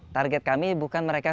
target kami bukan mereka